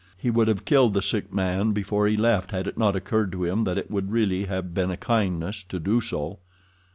He would have killed the sick man before he left had it not occurred to him that it would really have been a kindness to do so.